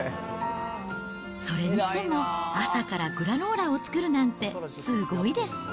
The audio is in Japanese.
それにしても朝からグラノーラを作るなんて、すごいです。